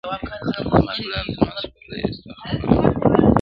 زما گلاب زما سپرليه، ستا خبر نه راځي,